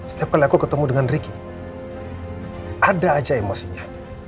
setiap kali aku ketemu dengan ricky ada aja emosinya